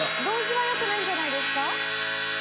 同時は良くないんじゃないですか。